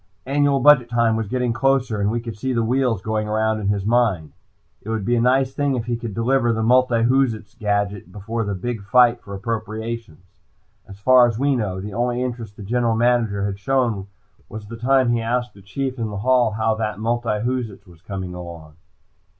Annual budget time was getting closer, and we could see the wheels going around in his mind. It would be a nice thing if he could deliver the multiwhoozits gadget just before the big fight for appropriations. As far as we knew, the only interest the General Manager had shown was the time he asked the Chief in the hall how that multiwhoozits was coming along.